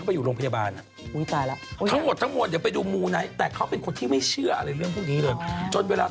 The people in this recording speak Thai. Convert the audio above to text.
เดี๋ยวกลับมาเจอกันอีกทีตอน๔ทุ่มครับ